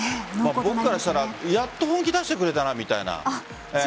僕からしたらやっと本気出してくれたなみたいな。